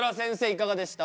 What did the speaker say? いかがでした？